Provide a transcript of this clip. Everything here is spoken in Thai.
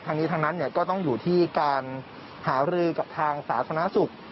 ทางนี้ทางนั้นเนี่ยก็ต้องอยู่ที่การหารื่องกับทางสาธารณสุทธิ์